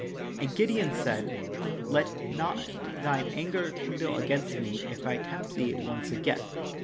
And Gideon said: "Let not thine anger kindle against me, if I tempt thee once again.